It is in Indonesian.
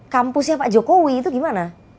kampusnya pak jokowi itu gimana